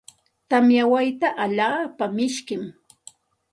Tamya wayta alaapa mishkim.